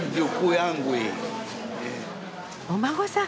お孫さん。